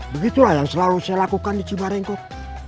begitulah yang selalu saya lakukan di cibaringkok